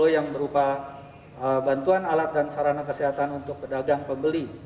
yang berupa bantuan alat dan sarana kesehatan untuk pedagang pembeli